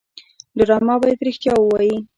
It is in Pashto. ډرامه باید رښتیا ووايي